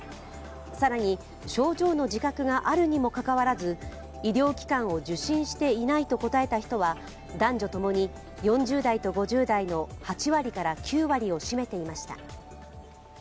更に、症状の自覚があるにもかかわらず医療機関を受診していないと答えた人は男女ともに４０代と５０代の８割から９割を占めていました。